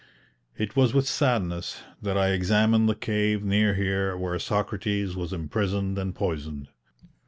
It was with sadness that I examined the cave near here where Socrates was imprisoned and poisoned.